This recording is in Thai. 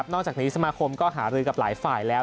จากนี้สมาคมก็หารือกับหลายฝ่ายแล้ว